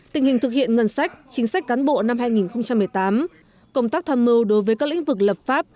tình hình thực hiện ngân sách chính sách cán bộ năm hai nghìn một mươi tám công tác tham mưu đối với các lĩnh vực lập pháp